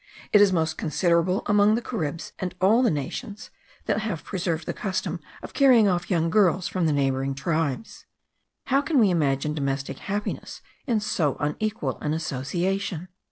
It is most considerable among the Caribs, and all the nations that have preserved the custom of carrying off young girls from the neighbouring tribes. How can we imagine domestic happiness in so unequal an association?